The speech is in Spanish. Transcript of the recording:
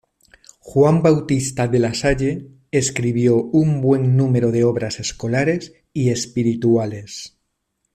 Juan Bautista de la Salle escribió un buen número de obras escolares y espirituales.